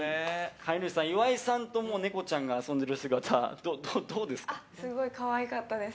飼い主さん、岩井さんとネコちゃんが遊んでいる姿すごい可愛かったです。